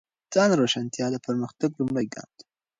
ځان روښانتیا د پرمختګ لومړی ګام دی.